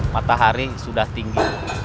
matahari sudah tinggi